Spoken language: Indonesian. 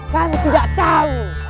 kami tidak tahu